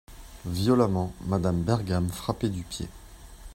Violemment, Madame Bergam frappait du pied.